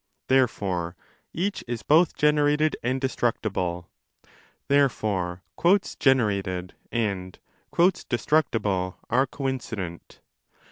Therefore each is both generated and destructible. Therefore 'generated' and ' destruc tible' are coincident.